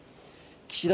岸田